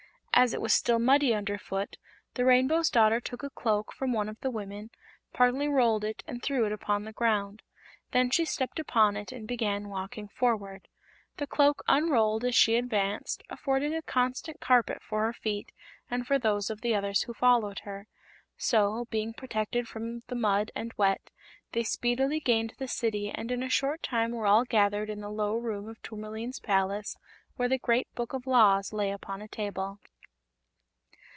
As it was still muddy underfoot the Rainbow's Daughter took a cloak from one of the women, partly rolled it and threw it upon the ground. Then she stepped upon it and began walking forward. The cloak unrolled as she advanced, affording a constant carpet for her feet and for those of the others who followed her. So, being protected from the mud and wet, they speedily gained the City and in a short time were all gathered in the low room of Tourmaline's palace, where the Great Book of Laws lay upon a table.